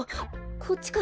こっちか？